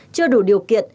chưa đủ điều kiện